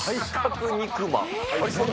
体格肉まん？